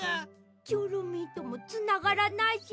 チョロミーともつながらないし。